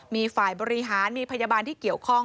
มีฝ่ายบริหารมีพยาบาลที่เกี่ยวข้อง